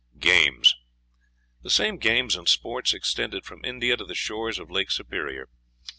Games. The same games and sports extended from India to the shores of Lake Superior.